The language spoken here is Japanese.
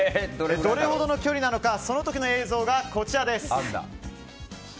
どれほどの距離なのかその時の映像がこちらです。